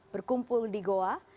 berkumpul di goa